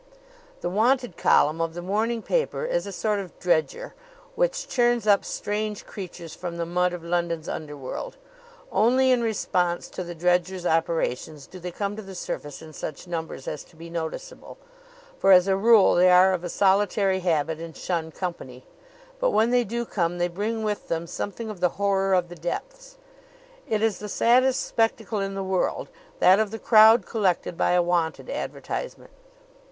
The Wanted column of the morning paper is a sort of dredger, which churns up strange creatures from the mud of London's underworld. Only in response to the dredger's operations do they come to the surface in such numbers as to be noticeable, for as a rule they are of a solitary habit and shun company; but when they do come they bring with them something of the horror of the depths. It is the saddest spectacle in the world that of the crowd collected by a Wanted advertisement.